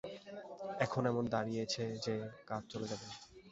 এখন এমন দাঁড়িয়েছে যে, কাজ চলে যাবে।